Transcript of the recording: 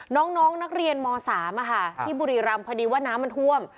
น้องนักเรียนม๓ที่บุรีรำพอดีว่าน้ำมันท่วม